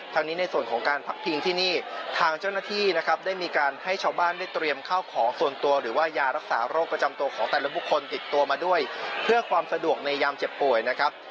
ทางนี้ในส่วนของการพักพิงที่นี่ทางเจ้าหน้าที่นะครับได้มีการให้ชาวบ้านได้เตรียมข้าวของส่วนตัวหรือว่ายารักษาโรคประจำตัวของแต่ละบุคคลติดตัวมาด้วยเพื่อความสะดวกในยามเจ็บป่วยนะครับ